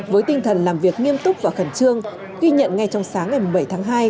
với tinh thần làm việc nghiêm túc và khẩn trương ghi nhận ngay trong sáng ngày bảy tháng hai